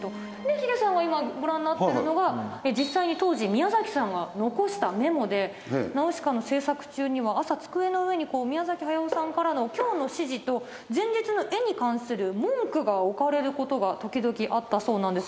ヒデさんが今ご覧になってるのが実際に当時宮崎さんが残したメモで『ナウシカ』の製作中には朝机の上に宮崎駿さんからの今日の指示と前日の絵に関する文句が置かれることが時々あったそうなんです。